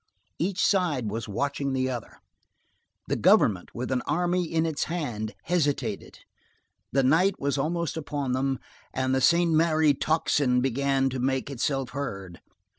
Each side was watching the other. The Government, with an army in its hand, hesitated; the night was almost upon them, and the Saint Merry tocsin began to make itself heard.